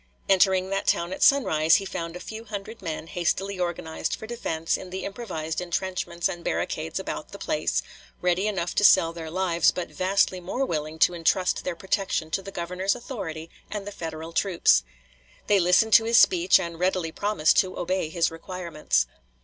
Entering that town at sunrise, he found a few hundred men hastily organized for defense in the improvised intrenchments and barricades about the place, ready enough to sell their lives, but vastly more willing to intrust their protection to the Governor's authority and the Federal troops. They listened to his speech and readily promised to obey his requirements.